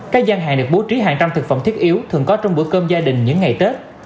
các gian hàng được bố trí hàng trăm thực phẩm thiết yếu thường có trong bữa cơm gia đình những ngày tết